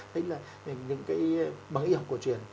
hình như những cái bằng y học cổ truyền